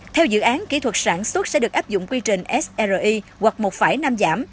theo dự án kỹ thuật sản xuất sẽ được áp dụng quy trình sri hoặc một phải năm giảm